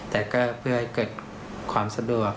แต่ก็เพื่อให้เกิดความสะดวก